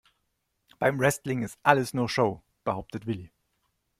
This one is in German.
Beim Wrestling ist alles nur Show, behauptet Willi.